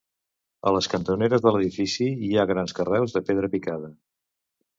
A les cantoneres de l'edifici hi ha grans carreus de pedra picada.